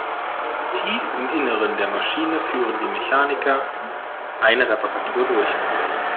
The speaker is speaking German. Tief im Innern der Maschine führen die Mechaniker eine Reparatur durch.